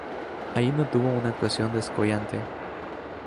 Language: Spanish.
Allí no tuvo una actuación descollante.